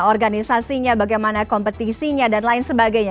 organisasinya bagaimana kompetisinya dan lain sebagainya